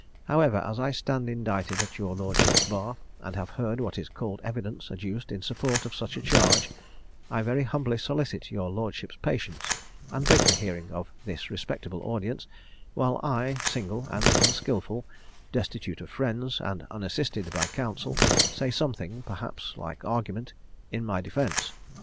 However, as I stand indicted at your lordship's bar, and have heard what is called evidence adduced in support of such a charge, I very humbly solicit your lordship's patience, and beg the hearing of this respectable audience, while I, single and unskilful, destitute of friends and unassisted by counsel, say something, perhaps like argument, in my defence.